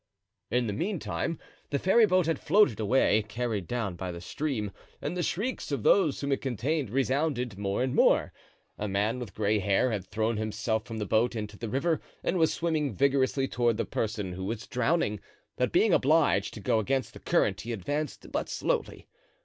In the meantime, the ferryboat had floated away, carried down by the stream, and the shrieks of those whom it contained resounded more and more. A man with gray hair had thrown himself from the boat into the river and was swimming vigorously toward the person who was drowning; but being obliged to go against the current he advanced but slowly.